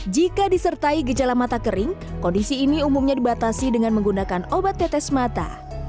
jika disertai gejala mata kering kondisi ini umumnya dibatasi dengan menggunakan obat tetes mata